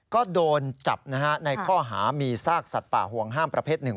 ก็โดนจับนะฮะในข้อหามีซากสัตว์ป่าห่วงห้ามประเภทหนึ่ง